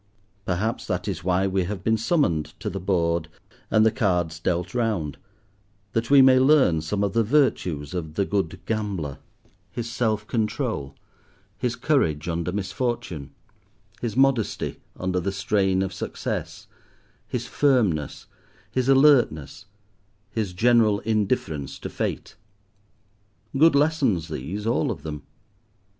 Perhaps that is why we have been summoned to the board and the cards dealt round: that we may learn some of the virtues of the good gambler; his self control, his courage under misfortune, his modesty under the strain of success, his firmness, his alertness, his general indifference to fate. Good lessons these, all of them.